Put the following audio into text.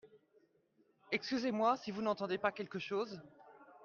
Excusez-moi (si vous n'entendez pas quelque chose).